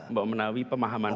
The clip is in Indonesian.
mbak menawi pemahaman